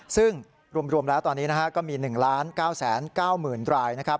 ซึ่งรวมแล้วตอนนี้ก็มี๑๙๙๐๐๐๐ราย